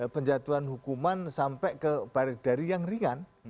penjatuhan hukuman sampai ke baris dari yang ringan